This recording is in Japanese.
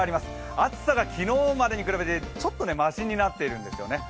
暑さが昨日までに比べてちょっとましになっているんですよね。